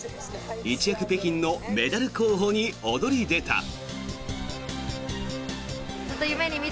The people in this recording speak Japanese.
一躍、北京のメダル候補に躍り出た。